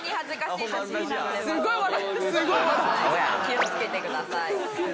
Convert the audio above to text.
気をつけてください。